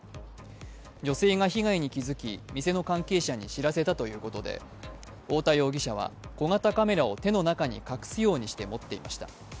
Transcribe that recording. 女性が被害に気づき店の関係者に知らせたということで太田容疑者は、小型カメラを手の中に隠すようにして持っていました。